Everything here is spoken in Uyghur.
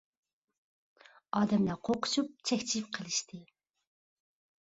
ئادەملەر قورقۇشۇپ چەكچىيىپ قېلىشتى.